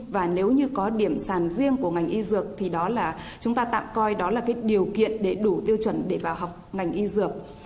và nếu như có điểm sàn riêng của ngành y dược thì đó là chúng ta tạm coi đó là cái điều kiện để đủ tiêu chuẩn để vào học ngành y dược